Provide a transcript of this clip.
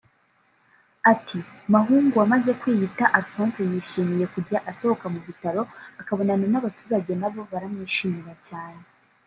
Ati “Mahungu wamaze kwiyita Alfonse yishimiye kujya asohoka mu bitaro akabonana n’abaturage na bo baramwishimira cyane